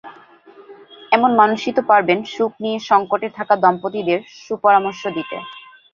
এমন মানুষই তো পারবেন সুখ নিয়ে সংকটে থাকা দম্পতিদের সুপরামর্শ দিতে।